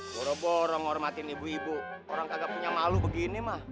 boro borong hormatin ibu ibu orang kagak punya malu begini mah